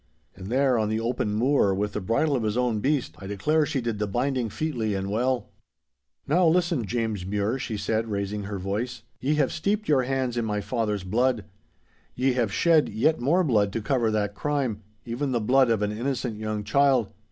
And there on the open moor, with the bridle of his own beast, I declare she did the binding featly and well. 'Now, listen, James Mure,' she said, raising her voice, 'ye have steeped your hands in my father's blood. Ye have shed yet more blood to cover that crime, even the blood of an innocent young child.